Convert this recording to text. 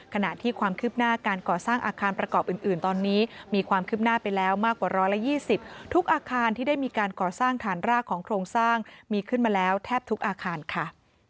ขณะที่ความคืบหน้าการก่อสร้างอาคารประกอบอื่นตอนนี้มีความคืบหน้าไปแล้วมากกว่า๑๒๐ทุกอาคารที่ได้มีการก่อสร้างฐานรากของโครงสร้างมีขึ้นมาแล้วแทบทุกอาคารค่ะ